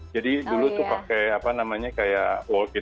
jadi dulu itu pakai apa namanya kayak wallcard